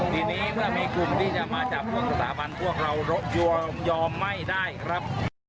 ทีนี้เมื่อมีกลุ่มที่จะมาจับกลุ่มสถาบันพวกเรายอมไม่ได้ครับ